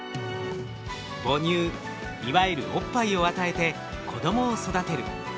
母乳いわゆるおっぱいを与えて子供を育てる。